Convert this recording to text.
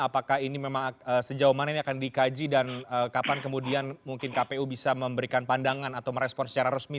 apakah ini memang sejauh mana ini akan dikaji dan kapan kemudian mungkin kpu bisa memberikan pandangan atau merespon secara resmi